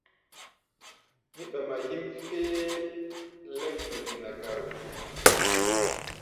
Mí ɓama yíʼm fɛ̧ɛ̧ lɛ́k nɛ binakaro.